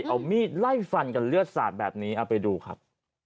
เอามีดไล่ฟันกันเลือดสาดแบบนี้เอาไปดูครับ